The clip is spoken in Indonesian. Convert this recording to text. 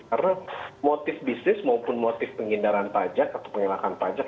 karena motif bisnis maupun motif pengindaran pajak atau pengelakan pajak